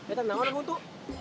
eh ternyata orang itu